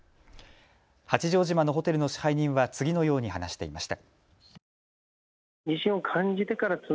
八丈島のホテルの支配人は次のように話していました。